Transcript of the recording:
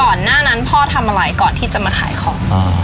หน้านั้นพ่อทำอะไรก่อนที่จะมาขายของ